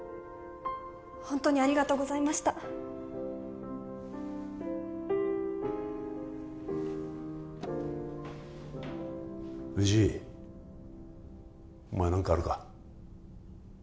ホントにありがとうございました藤井お前何かあるか？